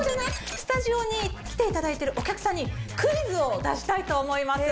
スタジオに来て頂いてるお客さんにクイズを出したいと思います。